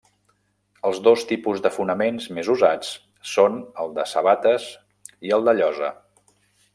Els dos tipus de fonaments més usats són el de sabates i el de llosa.